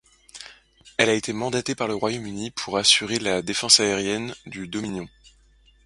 Elle a été mandatée par le Royaume-Uni pour assurer la défense aérienne du Dominion.